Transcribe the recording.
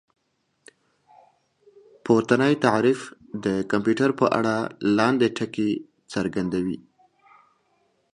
پورتنی تعريف د کمپيوټر په اړه لاندې ټکي څرګندوي